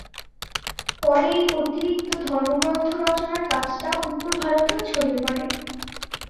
পরে এই অতিরিক্ত ধর্মগ্রন্থ রচনার কাজটা উত্তর ভারতেও ছড়িয়ে পড়ে।